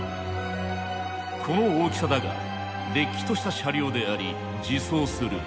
この大きさだがれっきとした車両であり自走する。